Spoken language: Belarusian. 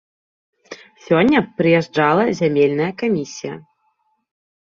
Сёння прыязджала зямельная камісія.